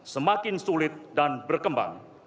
semakin sulit dan berkembang